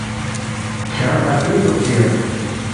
کھیانگ پردِنگ دُوکسے یود